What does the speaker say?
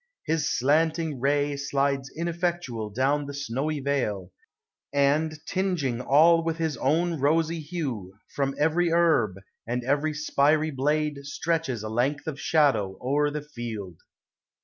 His slanting ray Slides ineffectual down the snowy vale, And, tingeing all with his own rosy hue, From every herb and every spiry blade Stretches a length of shadow o'er the field.